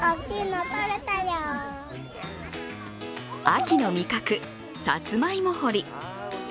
秋の味覚、さつまいも掘り。